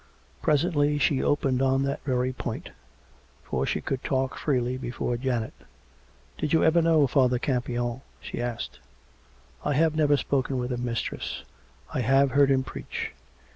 Presently she opened on that very point; for she could talk freely before Janet. " Did you ever know Father Campion ?" she as'ked. " I have never spoken with him, mistress. I have heard him preach.